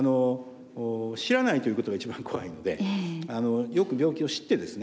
知らないということが一番怖いのでよく病気を知ってですね